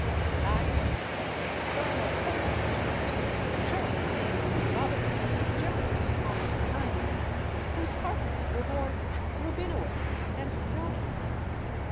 I once encountered a firm of Polish Jews, showing the name of /Robinson & Jones/ on its sign board, whose partners were born /Rubinowitz/ and /Jonas